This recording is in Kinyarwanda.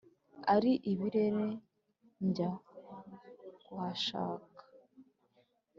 Ari ibirere njya kuhashaka.